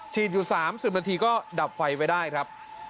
อยู่๓๐นาทีก็ดับไฟไว้ได้ครับ